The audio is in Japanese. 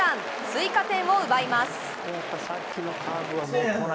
追加点を奪います。